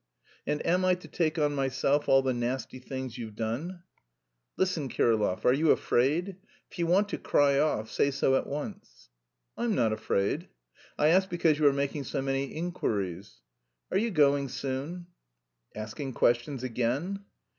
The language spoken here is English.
"And am I to take on myself all the nasty things you've done?" "Listen, Kirillov, are you afraid? If you want to cry off, say so at once." "I am not afraid." "I ask because you are making so many inquiries." "Are you going soon?" "Asking questions again?"